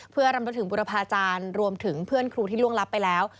เพื่อรำลึกถึงบุรพาจารย์รวมถึงเพื่อนครูที่ล่วงลับไปแล้ว